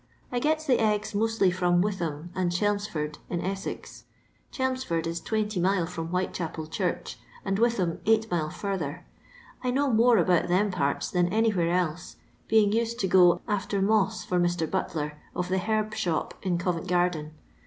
"I gets the eggs mostly from Witham and Chelmsford, in Essex ; Chelmsford is 20 mile from Whitechapel Church, and Witham, 8 mile further. I know more about them pnrts than anywhere else, being used to go after moss for Mr. Butler, of the herb shop in Covent GKirden.